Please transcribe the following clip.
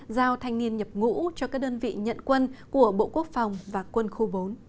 giao thanh niên nhập ngũ cho các đơn vị nhận quân của bộ quốc phòng và quân khu bốn